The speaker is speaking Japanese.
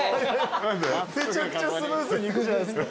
めちゃくちゃスムーズに行くじゃないですか。